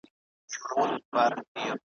پردې مځکه دي خزان خېمې وهلي ,